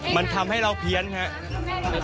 มันทำให้เราเพี้ยนครับ